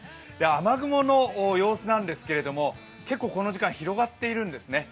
雨雲の様子なんですが結構この時間広がっているんですね。